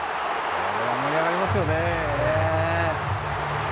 これは盛り上がりますよね。